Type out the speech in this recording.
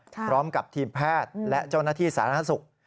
พร้อมกับทีมแพทย์และเจ้าหน้าที่ศาลนักศึกษ์